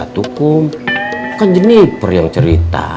bukan jeniper yang cerita